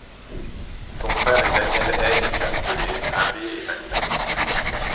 Son frère est Daniel Hay du Chastelet, abbé et mathématicien.